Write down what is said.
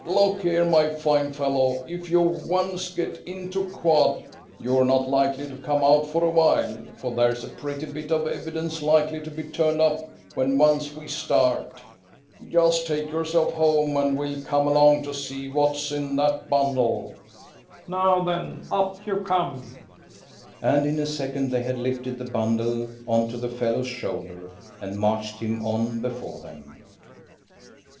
Look here, my fine fellow, if you once get into quad, you're not likely to come out for a while, for there's a pretty bit of evidence likely to be turned up when once we start. Just take yourself home, and we'll come along to see what's in that bundle. Now, then, up you come;" and in a second they had lifted the bundle on to the fellow's shoulder, and marched him on before them.